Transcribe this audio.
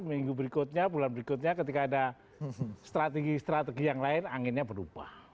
minggu berikutnya bulan berikutnya ketika ada strategi strategi yang lain anginnya berubah